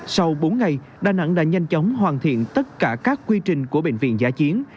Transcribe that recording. sau bốn ngày đà nẵng đã nhanh chóng hoàn thiện tất cả các quy trình của bệnh viện giả chiến